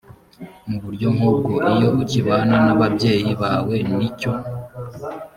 mu buryo nk ubwo iyo ukibana n ababyeyi bawe ni cyo